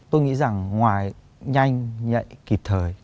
tôi nghĩ rằng ngoài nhanh nhạy kịp thời